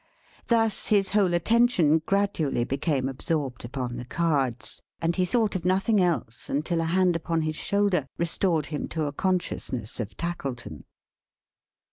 Thus, his whole attention gradually became absorbed upon the cards; and he thought of nothing else, until a hand upon his shoulder restored him to a consciousness of Tackleton.